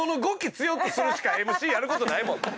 強くするしかＭＣやる事ないもん。